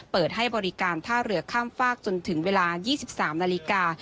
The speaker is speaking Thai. เปิดให้บริการท่าเรือข้ามฝากจนถึงเวลา๒๓นาฬิกา